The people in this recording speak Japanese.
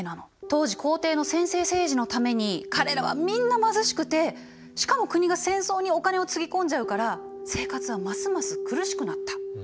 当時皇帝の専制政治のために彼らはみんな貧しくてしかも国が戦争にお金をつぎ込んじゃうから生活はますます苦しくなった。